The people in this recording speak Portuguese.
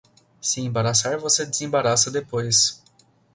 Se embaraçar, você desembaraça depois.